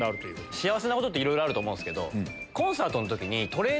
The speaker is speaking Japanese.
幸せなことっていろいろあると思うんすけど。